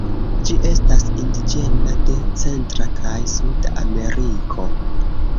Ĝi estas indiĝena de Centra kaj Suda Ameriko.